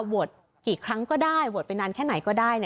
โหวตกี่ครั้งก็ได้โหวตไปนานแค่ไหนก็ได้